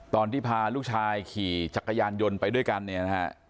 ตอนที่พาลูกชายขี่จักรยานยนต์ไปด้วยกันเนี่ยนะฮะ